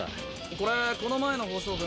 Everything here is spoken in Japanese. これこの前の放送分？